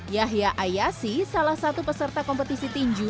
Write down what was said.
yahya ayasi salah satu peserta kompetisi tinju